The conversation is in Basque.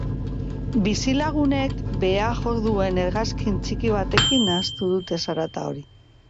Bizilagunek behea jo duen hegazkin txiki batekin nahastu dute zarata hori.